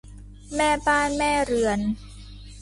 แม่บ้านแม่เรือน